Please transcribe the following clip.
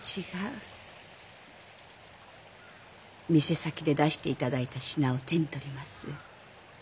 店先で出して頂いた品を手にとります。